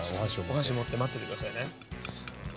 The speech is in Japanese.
お箸を持って待ってて下さいね。